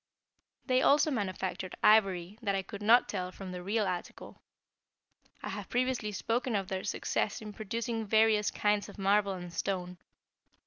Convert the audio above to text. They also manufactured ivory that I could not tell from the real article. I have previously spoken of their success in producing various kinds of marble and stone.